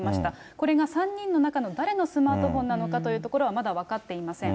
これが３人の中の誰のスマートフォンなのかというところは、まだ分かっていません。